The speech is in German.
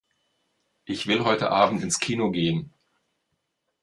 Ich will heute Abend ins Kino gehen.